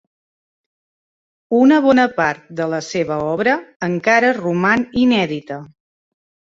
Una bona part de la seva obra encara roman inèdita.